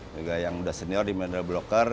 juga yang udah senior di mental blocker